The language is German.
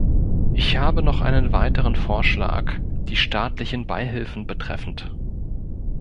Ich habe noch einen weiteren Vorschlag die staatlichen Beihilfen betreffend.